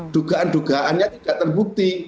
dugaan dugaannya tidak terbukti